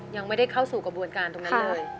ยังไม่ได้เข้าสู่กระบวนการตรงนั้นเลย